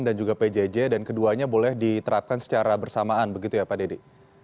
juga pjj dan keduanya boleh diterapkan secara bersamaan begitu ya pak dedy